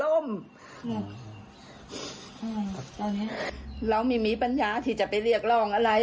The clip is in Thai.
ตอนนี้เราไม่มีปัญญาที่จะไปเรียกร้องอะไร